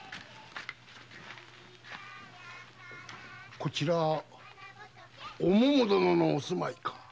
こちらはお桃殿のお住まいか？